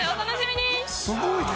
すごいね！」